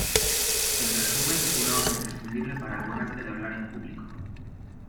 En resumen, una obra imprescindible para el buen arte de hablar en público.